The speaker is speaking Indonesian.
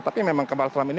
tapi memang kapal selam ini